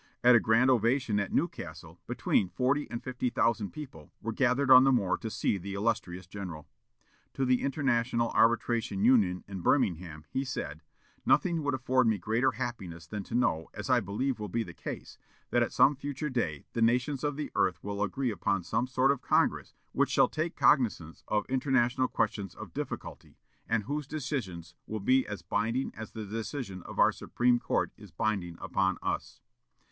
At a grand ovation at Newcastle, between forty and fifty thousand people were gathered on the moor to see the illustrious general. To the International Arbitration Union in Birmingham he said, "Nothing would afford me greater happiness than to know, as I believe will be the case, that at some future day the nations of the earth will agree upon some sort of congress which shall take cognizance of international questions of difficulty, and whose decisions will be as binding as the decision of our Supreme Court is binding upon us."